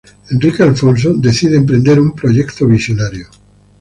Enrique Alfonso decide emprender un proyecto visionario.